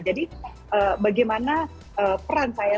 jadi bagaimana peran saya